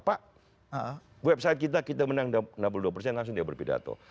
pak website kita kita menang enam puluh dua persen langsung dia berpidato